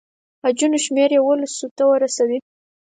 حجونو شمېر یوولسو ته ورسوي.